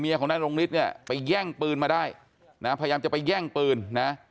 เมียของนั่นโรงฤทธิ์ไปแย่งปืนมาได้พยายามจะไปแย่งปืนนะ